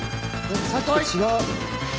さっきと違う。